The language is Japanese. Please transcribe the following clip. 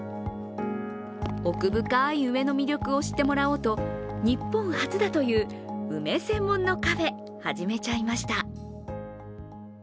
奥深い梅の魅力を知ってもらおうと日本初だという梅専門のカフェ、始めちゃいました。